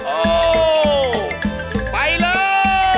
โอ้ไปเลย